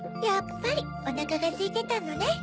やっぱりおなかがすいてたのね。